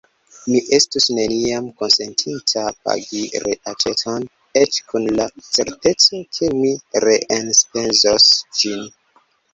Mi estus neniam konsentinta pagi reaĉeton, eĉ kun la certeco, ke mi reenspezos ĝin.